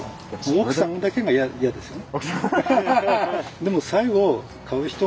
奥さんだけがいやですよね。